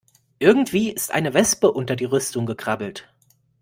Irgendwie ist eine Wespe unter die Rüstung gekrabbelt.